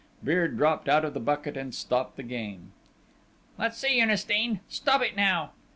Beard dropped out of the bucket and stopped the game. "Let's see, Ernestine?... Stop it now!"